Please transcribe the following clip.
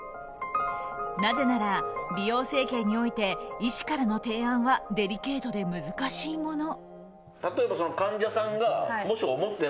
なぜなら、美容整形において医師からの提案はデリケートで難しいもの。